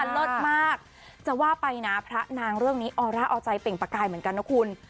เลิศมากจะว่าไปนะพระนางเรื่องนี้ออร่าเอาใจเปล่งประกายเหมือนกันนะคุณ